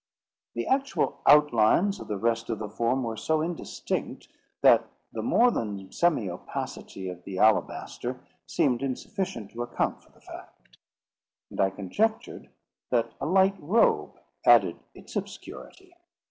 The actual outlines of the rest of the form were so indistinct, that the more than semi opacity of the alabaster seemed insufficient to account for the fact; and I conjectured that a light robe added its obscurity.